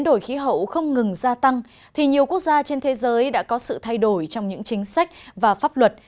thì nhiều quốc gia trên thế giới đã có sự thay đổi trong những chính sách và pháp luật